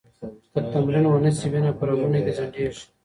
که تمرین ونه شي، وینه په رګونو کې ځنډېږي.